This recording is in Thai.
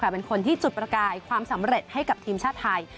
เป็นคนที่จุดประกายความสำเร็จให้กับทีมชาติไทย